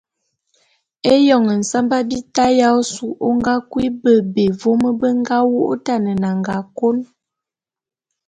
Éyoñ nsamba bita ya ôsu ô nga kui bebé vôm be nga wô’ôtan nnanga kôn.